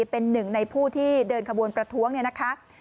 เป็นหนึ่งในผู้ที่เดินขบวนประท้วงเนี่ยนะคะ